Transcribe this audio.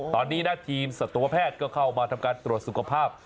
ตอนนี้นะทีมสัตวแพทย์ก็เข้ามาทำการตรวจสุขภาพ